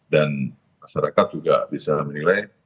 dan masyarakat juga bisa menilai